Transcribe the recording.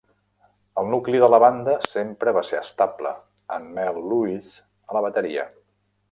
El nucli de la banda sempre va ser estable, amb Mel Lewis a la bateria.